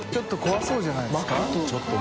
すごいじゃないですか。